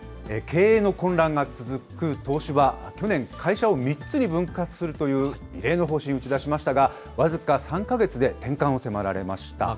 経営の混乱が続く東芝、去年会社を３つに分割するという、異例の方針を打ち出しましたが、僅か３か月で転換を迫られました。